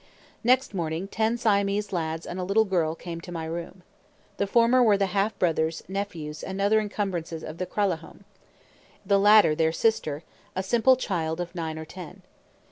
Next morning ten Siamese lads and a little girl came to my room. The former were the half brothers, nephews, and other "encumbrances" of the Kralahome; the latter their sister, a simple child of nine or ten.